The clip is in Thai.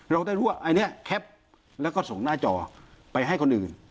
เราได้รู้ว่าอันนี้แคปแล้วก็ส่งหน้าจอไปให้คนอื่น